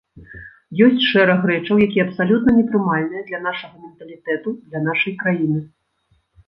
Ёсць шэраг рэчаў, якія абсалютна непрымальныя для нашага менталітэту, для нашай краіны.